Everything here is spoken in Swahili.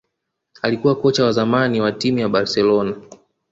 alikuwa kocha wa zamani wa timu ya Barcelona